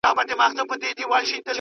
هغه وایي چي مینه نسته.